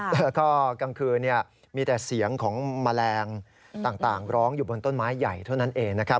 แล้วก็กลางคืนมีแต่เสียงของแมลงต่างร้องอยู่บนต้นไม้ใหญ่เท่านั้นเองนะครับ